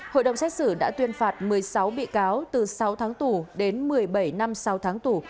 hội đồng xét xử đã tuyên phạt một mươi sáu bị cáo từ sáu tháng tù đến một mươi bảy năm sáu tháng tù